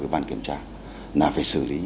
ủy ban kiểm tra là phải xử lý